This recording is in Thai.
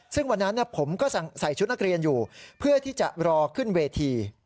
ซึ่งวันนั้นผมก็ใส่ชุดนักเรียนอยู่เพื่อที่จะรอขึ้นเวที